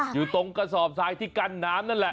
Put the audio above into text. อยู่ตรงกระสอบทรายที่กั้นน้ำนั่นแหละ